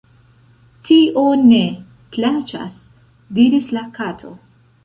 "Tio ne_ plaĉas," diris la Kato.